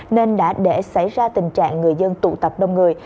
nên đã để xảy ra tình trạng người dân tụ tập đông người